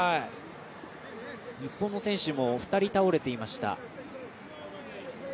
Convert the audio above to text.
日本の選手も２人倒れていました。